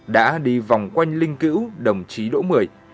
đã đi vòng quanh linh cữu đồng chí đỗ mười